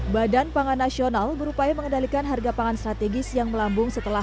badan pangan nasional berupaya mengendalikan harga pangan strategis yang melambung setelah